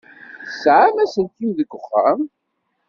Tesɛamt aselkim deg uxxam?